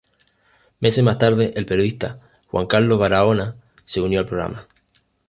Meses más tarde el periodista Juan Carlos Barahona se unió al programa.